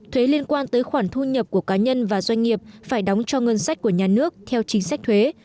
thuế liên quan tới khoản thu nhập của cá nhân và doanh nghiệp phải đóng cho ngân sách của nhà nước theo chính sách thuế